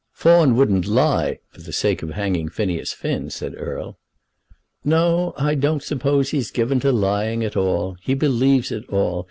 "Fawn wouldn't lie for the sake of hanging Phineas Finn," said Erle. "No; I don't suppose he's given to lying at all. He believes it all.